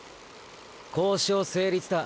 交渉成立だ。